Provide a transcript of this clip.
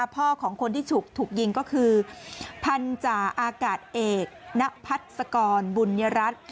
ของคนที่ถูกยิงก็คือพันธาอากาศเอกณพัศกรบุญยรัฐ